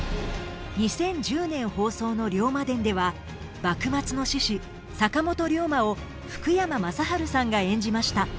２０１０年放送の「龍馬伝」では幕末の志士坂本龍馬を福山雅治さんが演じました。